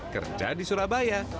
kerja di surabaya